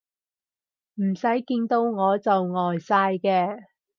唔使見到我就呆晒嘅